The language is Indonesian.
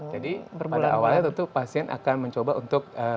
jadi pada awalnya tentu pasien akan mencoba untuk